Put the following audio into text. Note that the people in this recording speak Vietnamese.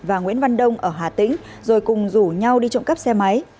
và nguyễn văn đông ở hà tĩnh rồi cùng rủ nhau đi trộm cắp xe máy